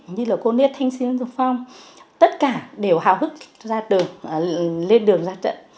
như là cô niết thanh sinh dũng phong tất cả đều hào hức lên đường ra trận